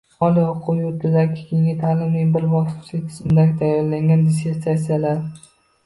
Oliy o‘quv yurtidan keyingi ta’limning bir bosqichli tizimida tayyorlangan dissertatsiyalar